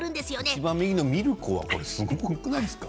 いちばん右のミルコは、すごくないですか。